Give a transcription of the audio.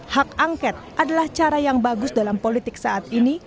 hak angket adalah cara yang bagus dalam politik saat ini